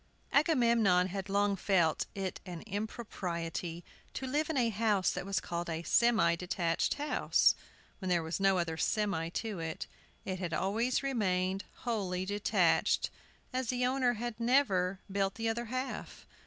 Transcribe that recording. AGAMEMNON had long felt it an impropriety to live in a house that was called a "semi detached" house, when there was no other "semi" to it. It had always remained wholly detached, as the owner had never built the other half.